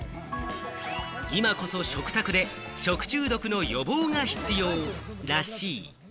今こそ食卓で食中毒の予防が必要らしい。